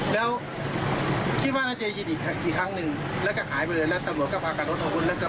แล้วคิดว่าน่าจะยินอีกครับอีกครั้งหนึ่งแล้วก็หายไปเลยแล้วตำรวจก็พากันรถท้องคนแล้วก็พากัน